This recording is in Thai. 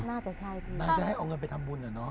น่าจะใช่พี่นางจะให้เอาเงินไปทำบุญอะเนาะ